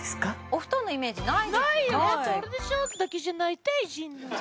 お布団のイメージないですよね